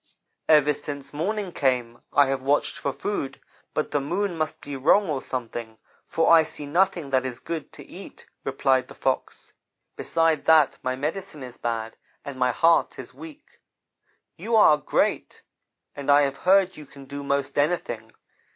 "'Ever since morning came I have watched for food, but the moon must be wrong or something, for I see nothing that is good to eat,' replied the Fox. 'Besides that, my medicine is bad and my heart is weak. You are great, and I have heard you can do most anything.